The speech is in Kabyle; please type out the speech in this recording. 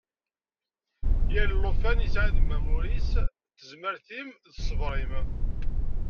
Yal lufan yesɛa deg-m amur-is n tezmert-im d ṣṣber-im.